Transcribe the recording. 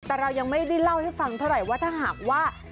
แต่เรายังไม่ได้เล่าให้ฟังเท่าไหร่ว่าถ้าหากว่า